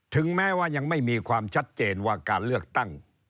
ถึงแม้ว่ายังไม่มีความชัดเจนว่าการเลือกตั้ง